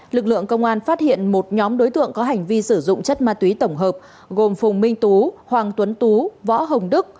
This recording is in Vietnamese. lực lượng công an phát hiện một nhóm đối tượng có hành vi sử dụng chất ma túy tổng hợp gồm phùng minh tú hoàng tuấn tú võ hồng đức